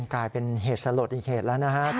กลายเป็นเหตุสลดอีกเหตุแล้วนะครับ